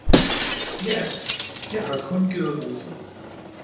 ja, jeg har kun givet roser!